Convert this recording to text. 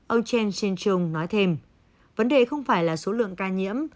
ông chen shih chung nói thêm vấn đề không phải là số lượng ca nhiễm